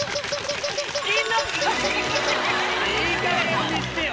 いいかげんにしてよ